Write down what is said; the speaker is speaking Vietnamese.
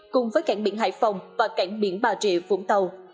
cùng với cảng biển hải phòng và cảng biển bà rịa vũng tàu